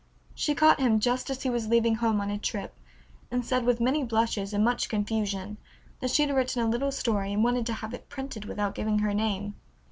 She caught him just as he was leaving home on a trip, and said, with many blushes and much confusion, that she had written a little story and wanted to have it printed without giving her name.